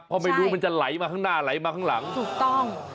เพราะไม่รู้มันจะไหลมาข้างหน้าไหลมาข้างหลังถูกต้อง